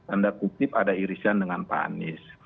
tanda kutip ada irisan dengan pak anies